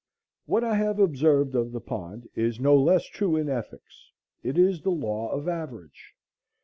What I have observed of the pond is no less true in ethics. It is the law of average.